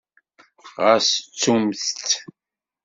Ɣas ttumt-tt.